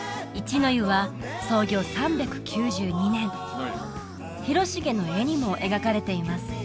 一の湯は創業３９２年広重の絵にも描かれています